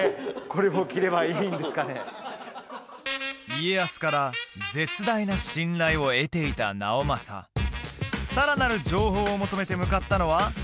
家康から絶大な信頼を得ていた直政さらなる情報を求めて向かったのはその名も井伊美術館